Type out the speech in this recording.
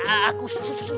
aku sudah masuk